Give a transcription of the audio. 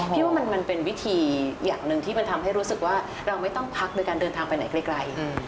พี่ว่ามันเป็นวิธีอย่างหนึ่งที่มันทำให้รู้สึกว่าเราไม่ต้องพักโดยการเดินทางไปไหนไกล